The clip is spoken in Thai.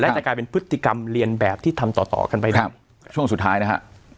จะกลายเป็นพฤติกรรมเรียนแบบที่ทำต่อต่อกันไปในช่วงสุดท้ายนะฮะ